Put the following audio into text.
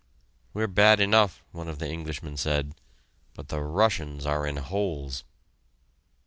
"We're bad enough," one of the Englishmen said, "but the Russians are in holes."